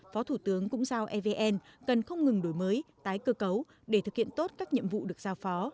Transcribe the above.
phó thủ tướng cũng giao evn cần không ngừng đổi mới tái cơ cấu để thực hiện tốt các nhiệm vụ được giao phó